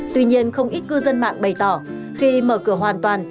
tuy nhiên không ít cư dân mạng bày tỏ khi mở cửa hoàn toàn